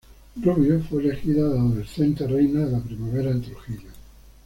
Rubio, fue elegida de adolescente "Reina de la Primavera" en Trujillo.